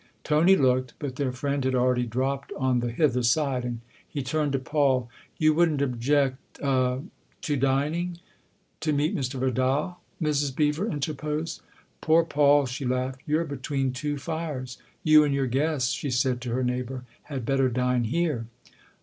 Tony looked, but their friend had already dropped on the hither side, and he turned to Paul. " You wouldn't object a to dining ?"" To meet Mr. Vidal ?" Mrs. Beever interposed. 11 Poor Paul," she laughed, " you're between two fires ! You and your guest," she said to her neighbour, " had better dine here."